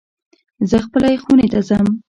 زه خپلی خونی ته ځم